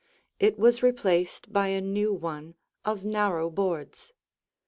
It was replaced by a new one of narrow boards.